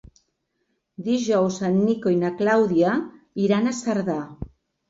Dijous en Nico i na Clàudia iran a Cerdà.